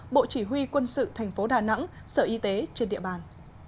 bộ chỉ huy quân sự thành phố đà nẵng sở y tế trên địa bàn